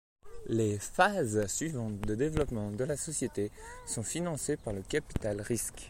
Les phases suivantes de développement de la société sont financées par le capital-risque.